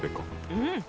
うん。